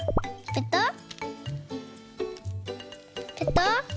ペタッ。